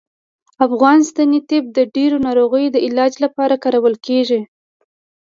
افغان سنتي طب د ډیرو ناروغیو د علاج لپاره کارول کیږي